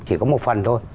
chỉ có một phần thôi